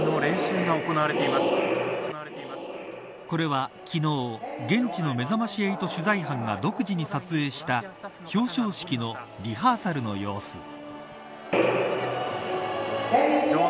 これは昨日現地のめざまし８取材班が独自に撮影した表彰式のリハーサルの様子。